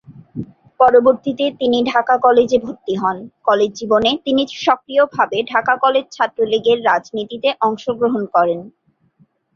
পরবর্তীতে তিনি ঢাকা কলেজে ভর্তি হন, কলেজ জীবনে তিনি সক্রিয়ভাবে ঢাকা কলেজ ছাত্রলীগের রাজনীতিতে অংশগ্রহণ করেন।